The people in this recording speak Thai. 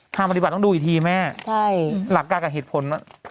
ทางปฏิบัติต้องดูอีกทีแม่ใช่หลักการกับเหตุผลว่า